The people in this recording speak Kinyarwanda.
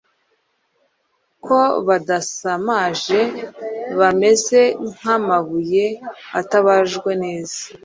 ko badasamaje bameze nk’amabuye atabajwe neza,